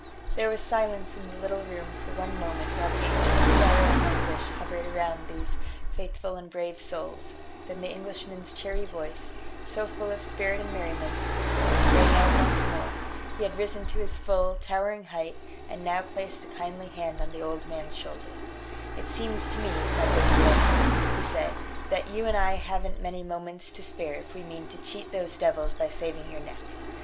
There was silence in the little room for one moment while the angel of sorrow and anguish hovered round these faithful and brave souls, then the Englishman's cheery voice, so full of spirit and merriment, rang out once more he had risen to his full, towering height, and now placed a kindly hand on the old man's shoulder: "It seems to me, my good Lenegre," he said, "that you and I haven't many moments to spare if we mean to cheat those devils by saving your neck.